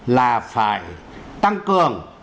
là phải tăng cường